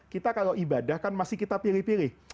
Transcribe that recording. kita kalau ibadah kan masih kita pilih pilih